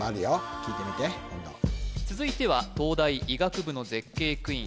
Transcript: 聴いてみて今度続いては東大医学部の絶景クイーン